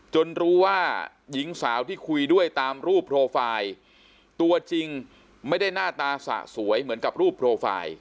รู้ว่าหญิงสาวที่คุยด้วยตามรูปโปรไฟล์ตัวจริงไม่ได้หน้าตาสะสวยเหมือนกับรูปโปรไฟล์